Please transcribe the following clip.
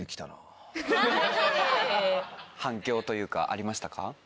反響というかありましたか？